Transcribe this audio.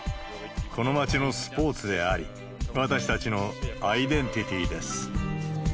この町のスポーツであり、私たちのアイデンティティーです。